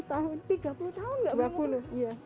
tiga puluh tahun gak mau dua puluh ya allah